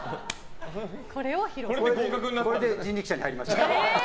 これで人力舎に入りました。